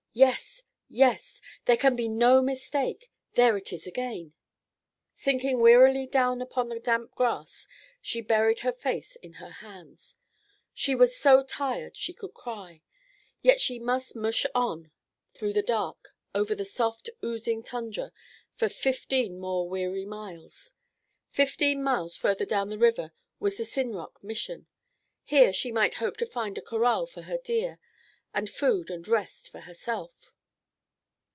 "Yes! Yes! There can be no mistake. There it is again." Sinking wearily down upon the damp grass, she buried her face in her hands. She was so tired she could cry, yet she must "mush" on through the dark, over the soft, oozing tundra, for fifteen more weary miles. Fifteen miles further down the river was the Sinrock Mission. Here she might hope to find a corral for her deer, and food and rest for herself.